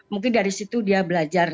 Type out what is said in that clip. mungkin dari situ dia belajar